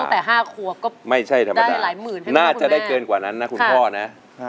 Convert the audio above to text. ร้องตั้งแต่๕ครัวก็ได้หลายหมื่นน่าจะได้เกินกว่านั้นนะคุณพ่อนะ